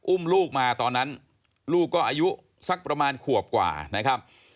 อุ้มลูกมาตอนนั้นลูกก็อายุสักประมาณขวบกว่านะครับ